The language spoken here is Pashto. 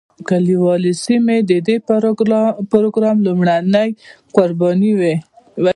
کلیوالي سیمې د دې پروګرام لومړنۍ قربانۍ وې.